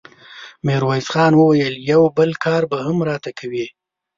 ميرويس خان وويل: يو بل کار به هم راته کوې!